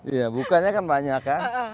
iya bukanya kan banyak kan